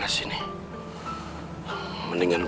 saat mana diruah jadi udah bardek